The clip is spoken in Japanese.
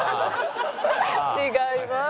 違います。